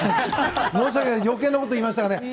申し訳ない余計なことを言いました。